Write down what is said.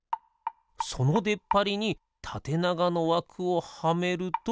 そのでっぱりにたてながのわくをはめると。